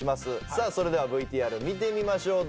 さあそれではＶＴＲ見てみましょう。